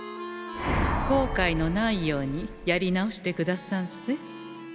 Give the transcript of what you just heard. こうかいのないようにやり直してくださんせ。